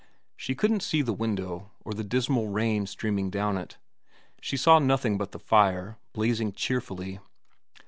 She couldn't see the window, or the dismal rain streaming down it. She saw nothing but the fire, blazing cheerfully.